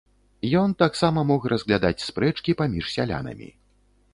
Ён таксама мог разглядаць спрэчкі паміж сялянамі.